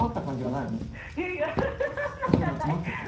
何か今詰まってた。